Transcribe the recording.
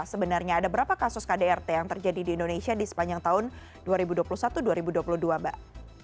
sebenarnya ada berapa kasus kdrt yang terjadi di indonesia di sepanjang tahun dua ribu dua puluh satu dua ribu dua puluh dua mbak